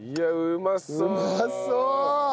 うまそう！